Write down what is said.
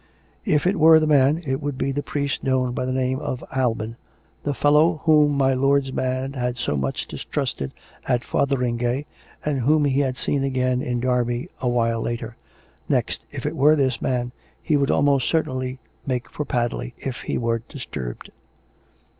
If it were the man, it would be the priest known by the name of Alban — the fellow whom my lord's man had so much distrusted at Fotheringay, and whom he had seen again in Derby a while later. Next, if it were this man, he would almost certainly make for Padley if he were disturbed.